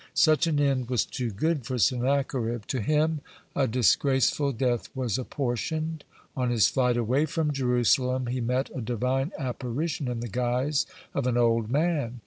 (59) Such an end was too good for Sennacherib. To him a disgraceful death was apportioned. On his flight away from Jerusalem, he met a Divine apparition in the guise of an old man.